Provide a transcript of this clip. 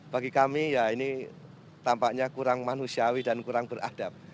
bagi kami ya ini tampaknya kurang manusiawi dan kurang beradab